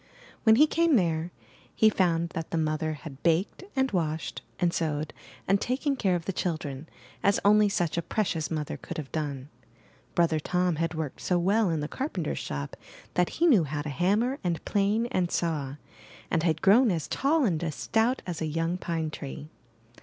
When he came there, he found that the mother 291 MY BOOK HOUSE had baked and washed and sewed and taken care of the children, as only such a precious mother could have done. Brother Tom had worked so well in the carpenter^s shop that he knew how to hammer and plane and saw, and had grown as tall and as stout as a young pine tree.